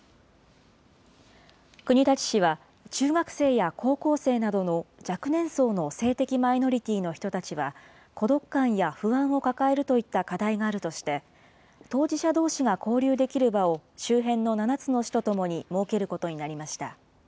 国立市は、中学生や高校生などの若年層の性的マイノリティーの人たちは、孤独感や不安を抱えるといった課題があるとして、当事者どうしが交流できる場を周辺の７つの市とともに設けることになりました。